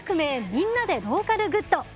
みんなでローカルグッド」。